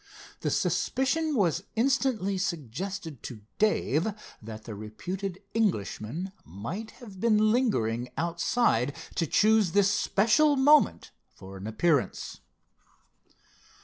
The suspicion was instantly suggested to Dave that the reputed Englishman might have been lingering outside to choose this special moment for an appearance.